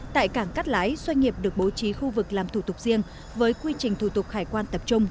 tại cảng cát lái doanh nghiệp được bố trí khu vực làm thủ tục riêng với quy trình thủ tục hải quan tập trung